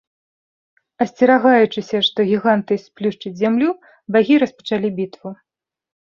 Асцерагаючыся, што гіганты сплюшчаць зямлю, багі распачалі бітву.